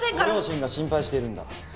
ご両親が心配しているんだ。